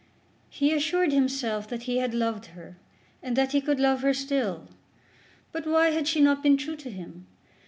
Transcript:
He assured himself that he had loved her, and that he could love her still; but why had she not been true to him?